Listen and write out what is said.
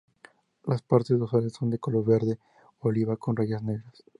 Las partes dorsales son de color verde oliva con rayas negras.